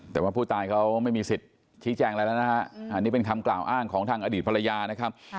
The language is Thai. แต่ว่าผู้ตายเขาไม่มีสิทธิ์ชี้แจงอะไรแล้วนะฮะอันนี้เป็นคำกล่าวอ้างของทางอดีตภรรยานะครับ